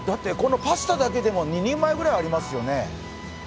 パスタだけでも２人前ぐらいありますよね？